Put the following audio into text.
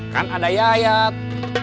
kan ada yayat